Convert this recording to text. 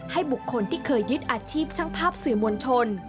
บุคคลที่เคยยึดอาชีพช่างภาพสื่อมวลชน